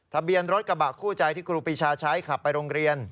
ทะเบียนรถกระบะคู่ใจที่ครูปีชาใช้ขับไปโรงเรียน